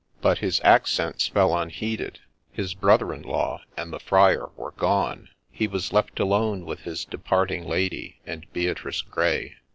But his accents fell unheeded ; his brother in law and the Friar were gone ; he was left alone with his departing lady and Beatrice Grey.